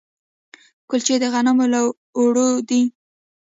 کلچې د غنمو له اوړو دي.